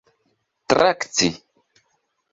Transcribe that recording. trakti